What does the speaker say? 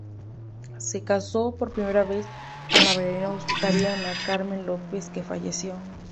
Se casó por primera vez con la bailarina asturiana Carmen López, que falleció.